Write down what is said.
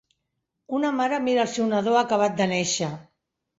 Una mare mira el seu nadó acabat de néixer.